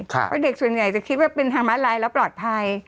เพราะเด็กส่วนใหญ่จะคิดว่าเป็นทางมาลายแล้วปลอดภัย